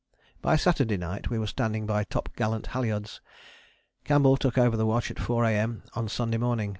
By Saturday night we were standing by topgallant halyards. Campbell took over the watch at 4 A.M. on Sunday morning.